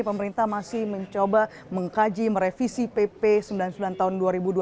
pemerintah masih mencoba mengkaji merevisi pp sembilan puluh sembilan tahun dua ribu dua puluh